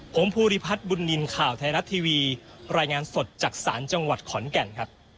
ผมภูริพัฒน์บุญนินทร์ข่าวไทยรัฐทีวีรายงานสดจากศาลจังหวัดขอนแก่นครับ